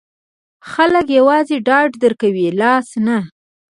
خلګ یوازې ډاډ درکوي، لاس نه.